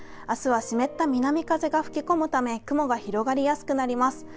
明日は湿った南風が吹き込むため雲が広がりやすくなります。